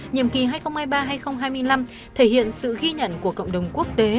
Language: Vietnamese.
nhiệm kỳ hai nghìn hai mươi ba hai nghìn hai mươi năm thể hiện sự ghi nhận của cộng đồng quốc tế